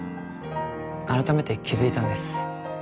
改めて気付いたんです。